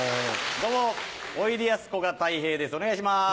どうもおいでやすこがたい平ですお願いします。